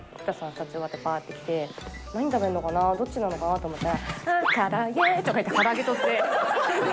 撮影終わって、ぱーって来て、何食べるのかな、どっち食べるのかなと思ったら、から揚げーとかいってから揚げ取って。